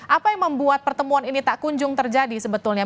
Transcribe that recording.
apa yang membuat pertemuan ini tak kunjung terjadi sebetulnya